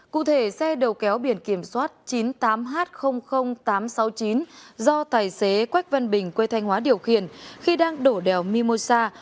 cụ thể xe đầu kéo biển kiểm soát chín mươi tám h tám trăm sáu mươi chín do tài xế quách văn bình quê thanh hóa điều khiển khi đang đổ đèo mimosa